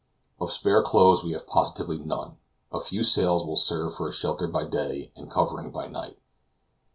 Of spare clothes we have positively none; a few sails will serve for shelter by day, and covering by night.